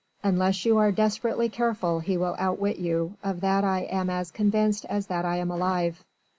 Unless you are desperately careful he will outwit you; of that I am as convinced as that I am alive."